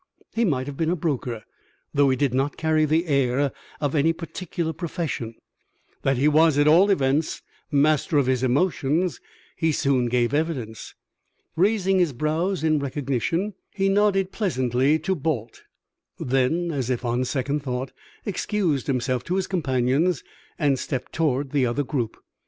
He might have been a broker, though he did not carry the air of any particular profession. That he was, at all events, master of his emotions he soon gave evidence. Raising his brows in recognition, he nodded pleasantly to Balt; then, as if on second thought, excused himself to his companions and stepped toward the other group.